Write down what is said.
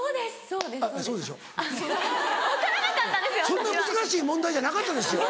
そんな難しい問題じゃなかったですよ。